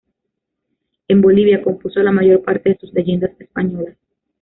En Bolivia compuso la mayor parte de sus "Leyendas españolas".